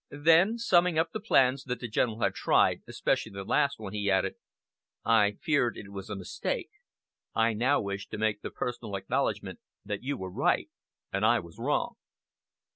Then, summing up the plans that the General had tried, especially the last one, he added: "I feared it was a mistake. I now wish to make the personal acknowledgement that you were right and I was wrong."